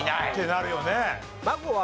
ってなるよね。